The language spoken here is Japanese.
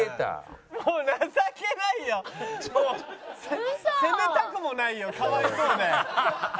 もう責めたくもないよかわいそうで。